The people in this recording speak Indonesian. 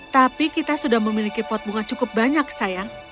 tapi kita sudah memiliki pot bunga cukup banyak sayang